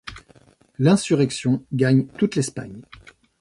L'insurrection gagne toute l'Espagne.